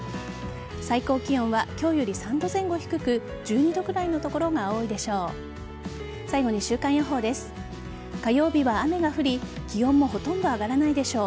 最高気温は今日より３度前後低く１２度くらいの所が多いでしょう。